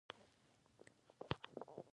په خپلو مځکو کې د واک چلولو حق لري.